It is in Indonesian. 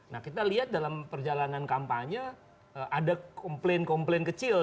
nah kita lihat dalam perjalanan kampanye ada komplain komplain kecil